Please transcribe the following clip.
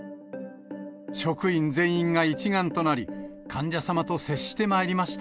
職員全員が一丸となり、患者様と接してまいりました。